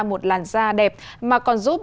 một làn da đẹp mà còn giúp